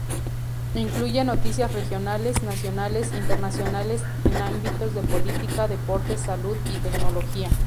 Incluye noticias regionales, nacionales, internacionales, en ámbitos de política, deportes, salud y tecnología.